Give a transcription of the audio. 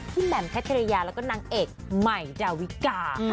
ที่แหม่มแคทรียาแล้วก็นางเอกใหม่ดาวิกา